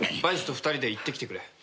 バイスと２人で行ってきてくれ。